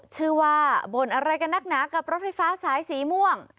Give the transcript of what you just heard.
ชื่อว่าบ่นอะไรกันนักหนากับรถไฟฟ้าสายสีม่วง